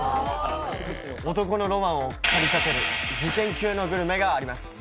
男のロマンを駆り立てる事件級のグルメがあります。